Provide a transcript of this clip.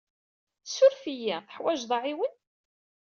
Ssuref-iyi. Teḥwajeḍ aɛiwen?